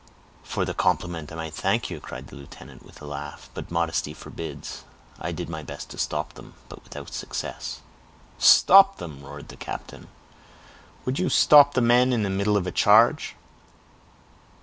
"For the compliment, I might thank you," cried the lieutenant with a laugh; "but modesty forbids. I did my best to stop them, but without success." "Stop them!" roared the captain. "Would you stop men in the middle of a charge?"